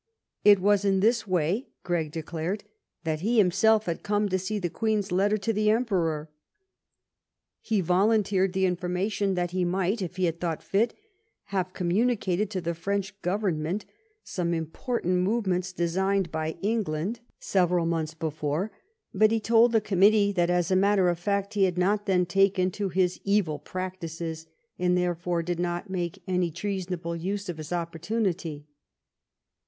It was in this way, Gregg declared, that he himself had come to see the Queen's letter to the Emperor. He volunteered the information that he might, if he had thought fit, have communicated to the French government some im portant movements designed by England several months before, but he told the committee that, as a matter of 811 THE REIGN OF QUEEN ANNE facty he had not then taken to his evil practices, and therefore did not make any treasonable use of his opportunity.